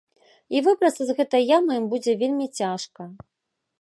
І выбрацца з гэтай ямы ім будзе вельмі цяжка.